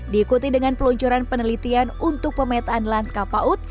diikuti dengan peluncuran penelitian untuk pemetaan lanska paut